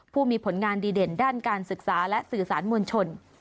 ผู้มีผลงานดีเด่นด้านการศึกษาและสื่อสารมวลชน